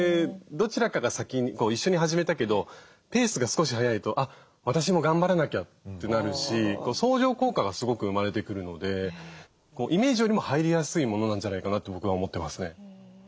どちらかが先に一緒に始めたけどペースが少し早いと「あっ私も頑張らなきゃ」ってなるし相乗効果がすごく生まれてくるのでイメージよりも入りやすいものなんじゃないかなと僕は思ってますね。